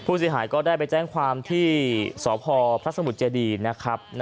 ผู้เสียหายก็ได้ไปแจ้งความที่สพพระสมุทรเจดีนะครับ